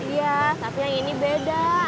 iya tapi yang ini beda